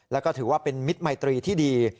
แล้วก็ถือว่าเป็นมิตรมัยตรีที่ดี